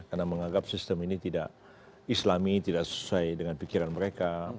karena menganggap sistem ini tidak islami tidak sesuai dengan pikiran mereka